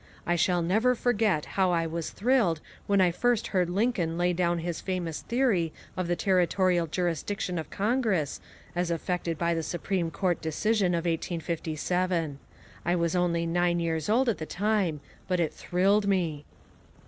I shall never forget how I was thrilled when I first heard Lincoln lay down his famous theory of the territorial jurisdiction of Congress as affected by the Supreme Court decision of 1857. I was only nine years old at the time, but it thrilled me!"